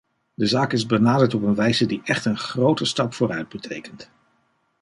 De zaak is benaderd op een wijze die echt een grote stap vooruit betekent.